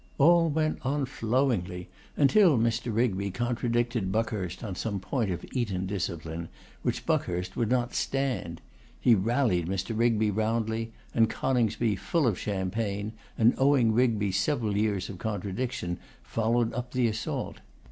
All went on flowingly until Mr. Rigby contradicted Buckhurst on some point of Eton discipline, which Buckhurst would not stand. He rallied Mr. Rigby roundly, and Coningsby, full of champagne, and owing Rigby several years of contradiction, followed up the assault.